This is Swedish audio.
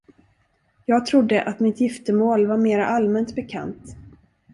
Jag trodde, att mitt giftermål var mera allmänt bekant.